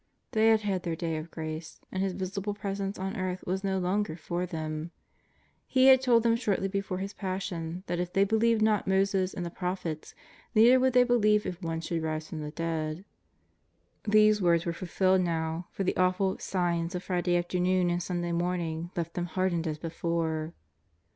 They had had their day of grace, and His visible jtresence on earth was no longer for them. He had told them shortly before His Passion that if they believed not Moses and the Prophets, neither would they believe if one should rise from the dead. These words were fulfilled now, for the awful " signs " of Friday afternoon and Sunday morning left them hardened as before.